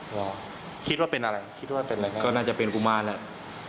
ก็คิดว่าเป็นอะไรคิดว่าเป็นอะไรครับก็น่าจะเป็นกุมารแหละ